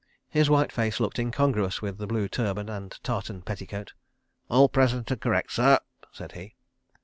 His white face looked incongruous with the blue turban and tartan petticoat. "All present and correct, sir," said he.